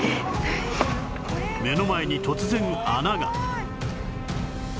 目の前に突然穴が